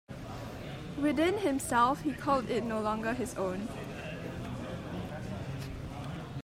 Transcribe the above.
Within himself he called it no longer his own.